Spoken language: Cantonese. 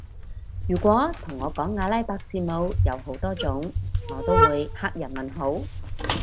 如果同我講阿拉伯字母有好多種我都會黑人問號